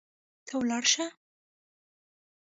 ته ولاړ شي